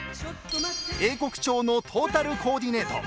英国調のトータルコーディネート。